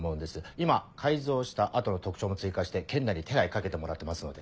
今改造した後の特徴も追加して県内に手配かけてもらってますので。